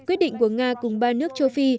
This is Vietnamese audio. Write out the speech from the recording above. quyết định của nga cùng ba nước châu phi